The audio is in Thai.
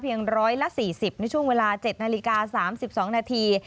เพียง๑๔๐นาฬิกาในช่วงเวลา๗นาฬิกา๓๒นาที